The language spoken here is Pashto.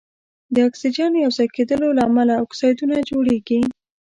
د اکسیجن یو ځای کیدلو له امله اکسایدونه جوړیږي.